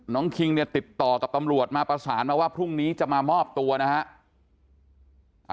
คิงเนี่ยติดต่อกับตำรวจมาประสานมาว่าพรุ่งนี้จะมามอบตัวนะฮะ